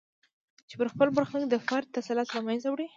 چې پر خپل برخلیک د فرد تسلط له منځه وړي.